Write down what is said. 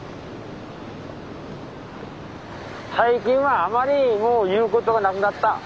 最近はあまりもう言うことがなくなった。